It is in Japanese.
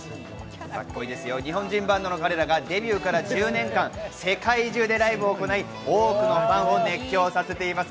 日本人バンドの彼らがデビューから１０年間、世界中でライブを行い、多くのファンを熱狂させています。